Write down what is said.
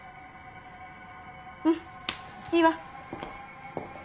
うんいいわ。